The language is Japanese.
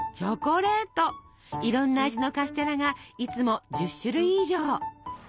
いろんな味のカステラがいつも１０種類以上。